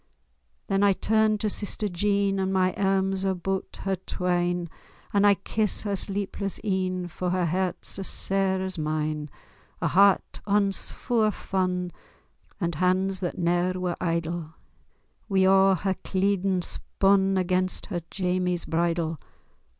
Then I turn to sister Jean, And my airms aboot her twine, And I kiss her sleepless een, For her heart's as sair as mine,— A heart ance fu' o' fun, And hands that ne'er were idle, Wi' a' her cleedin' spun Against her Jamie's bridal.